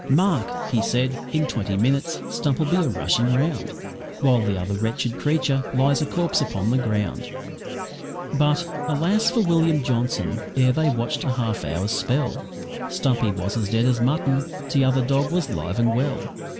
`Mark,' he said, `in twenty minutes Stump'll be a rushing round, While the other wretched creature lies a corpse upon the ground.' But, alas for William Johnson! ere they'd watched a half hour's spell Stumpy was as dead as mutton, t'other dog was live and well.